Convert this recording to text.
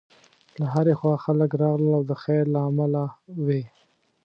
له هرې خوا خلک راغلل او د خیر له امله وې.